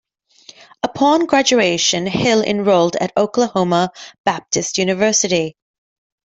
Upon graduation, Hill enrolled at Oklahoma Baptist University.